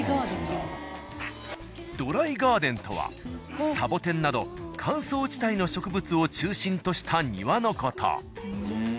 ドライガーデンとはサボテンなど乾燥地帯の植物を中心とした庭の事。